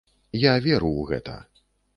Я веру ў гэта.